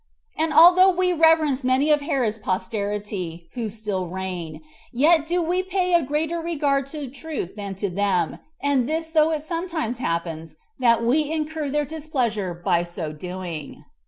And although we reverence many of Herod's posterity, who still reign, yet do we pay a greater regard to truth than to them, and this though it sometimes happens that we incur their displeasure by so doing.